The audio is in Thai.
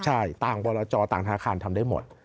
ใช่ต่างบรจอต่างธนาคารทำได้หมด